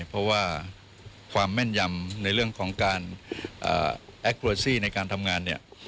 เพราะว่าความแม่นยำในเรื่องของการแอคเรซี่ในการทำงานเนี่ย